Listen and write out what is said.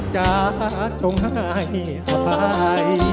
จะจงให้สบาย